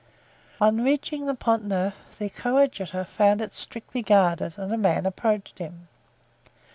On reaching the Pont Neuf the coadjutor found it strictly guarded and a man approached him.